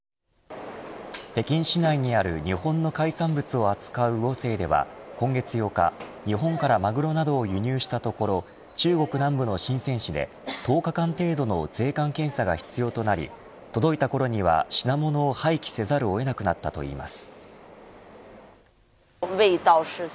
北京市内にある日本の海産物を扱う魚清では今月８日、日本からマグロなどを輸入したところ中国南部の深セン市で１０日間程度の税関検査が必要となり届いたころには品物を廃棄せざるをえなくなったといいます。